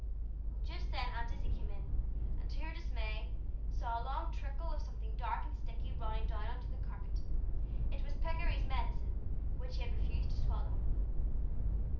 Just then Aunt Izzie came in, and to her dismay saw a long trickle of something dark and sticky running down on to the carpet. It was Pikery's medicine, which he had refused to swallow.